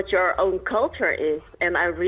alasan dan kultur anda sendiri